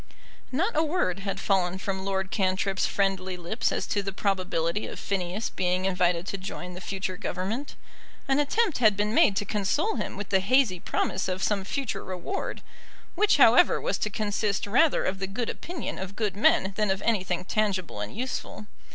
Not a word had fallen from Lord Cantrip's friendly lips as to the probability of Phineas being invited to join the future Government. An attempt had been made to console him with the hazy promise of some future reward, which however was to consist rather of the good opinion of good men than of anything tangible and useful.